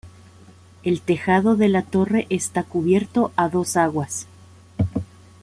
El tejado de la torre está cubierto a dos aguas.